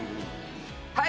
はい！